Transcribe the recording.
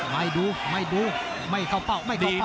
ไม่ดูไม่ดูไม่เข้าเป้าไม่เข้าเป้า